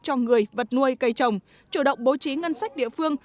cho người vật nuôi cây trồng chủ động bố trí ngân sách địa phương